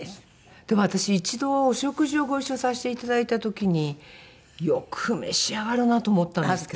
でも私一度お食事をご一緒させていただいた時によく召し上がるなと思ったんですけど。